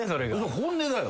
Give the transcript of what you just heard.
本音だよ。